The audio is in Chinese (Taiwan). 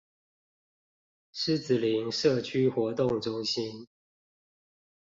獅子林社區活動中心